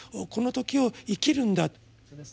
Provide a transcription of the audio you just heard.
この時を生きるんだと。